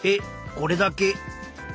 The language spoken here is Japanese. これだけ？